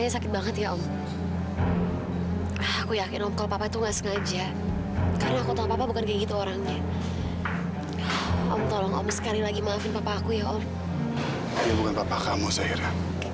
saya ingin mencari kamu zahira